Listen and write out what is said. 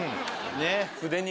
ねっ！